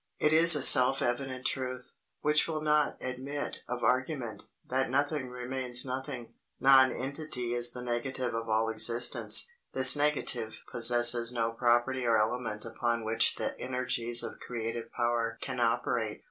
It is a self evident truth, which will not admit of argument, that nothing remains nothing. Nonentity is the negative of all existence. This negative possesses no property or element upon which the energies of creative power can operate.